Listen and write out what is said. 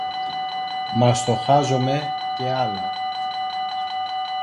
Μα στοχάζομαι και άλλα